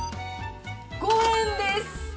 ５円です。